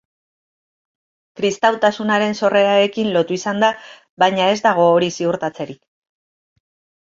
Kristautasunaren sorrerarekin lotu izan da, baina ez dago hori ziurtatzerik.